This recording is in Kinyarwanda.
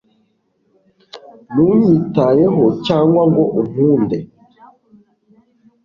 ntunyitayeho cyangwa ngo unkunde